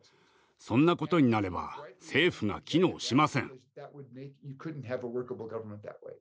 そんなことになれば政府が機能しません。